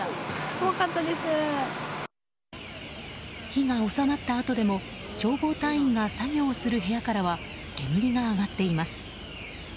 火が収まったあとでも消防隊員が作業する部屋からは煙が上がっています。